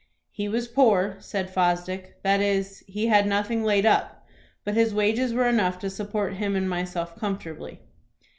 "He was poor," said Fosdick; "that is, he had nothing laid up; but his wages were enough to support him and myself comfortably."